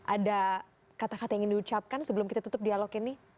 ada kata kata yang ingin diucapkan sebelum kita tutup dialog ini